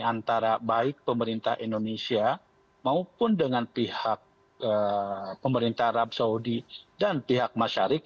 antara baik pemerintah indonesia maupun dengan pihak pemerintah arab saudi dan pihak masyarik